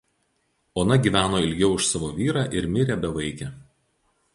Ona gyveno ilgiau už savo vyrą ir mirė bevaikė.